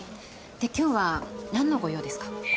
で今日はなんのご用ですか？